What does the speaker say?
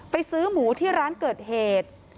ซื้อหมูที่ร้านเกิดเหตุ